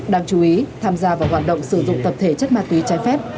đáng chú ý tham gia vào hoạt động sử dụng tập thể chất ma túy trái phép